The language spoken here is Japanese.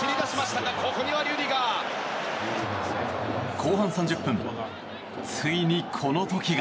後半３０分、ついにこの時が。